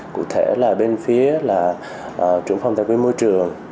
cụ thể là bên phía trưởng phòng tài quyền môi trường